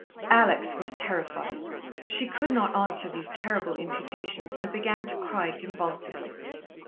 Alex was terrified. She could not answer these terrible imputations, and began to cry convulsively.